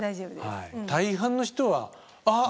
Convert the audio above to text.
大半の人は「あっ！」